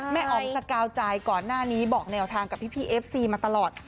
อ๋อมสกาวใจก่อนหน้านี้บอกแนวทางกับพี่เอฟซีมาตลอด